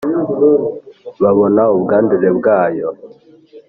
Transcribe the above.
babona ubwandure bwayo;